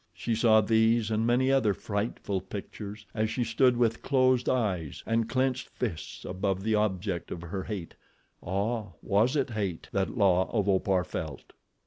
She saw these and many other frightful pictures as she stood with closed eyes and clenched fists above the object of her hate—ah! was it hate that La of Opar felt?